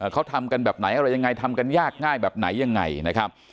เขาทำกันแบบไหนอะไรยังไงทำกันยากง่ายแบบไหนยังไงนะครับ